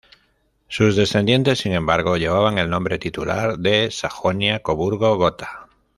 Sus descendientes, sin embargo, llevaban el nombre titular de Sajonia-Coburgo-Gotha.